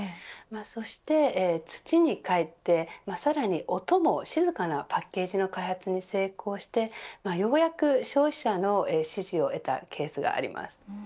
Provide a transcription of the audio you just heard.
そして土に返ってさらに音も静かなパッケージの開発に成功してようやく消費者の支持を得たケースがあります。